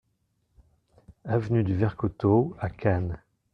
Avenue du Vert Coteau à Cannes